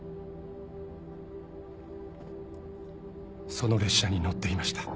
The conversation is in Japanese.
その列車に乗っていました。